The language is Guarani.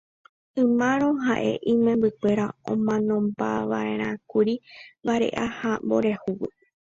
Ỹramo ha'e ha imembykuéra omanombamava'erãkuri vare'a ha mboriahúgui.